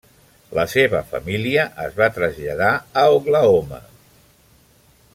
La seva família es va traslladar a Oklahoma.